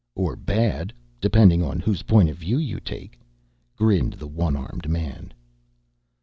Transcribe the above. "Or bad, depending on whose viewpoint you take," grinned the one armed man.